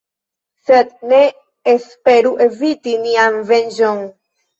Sed ne esperu eviti nian venĝon.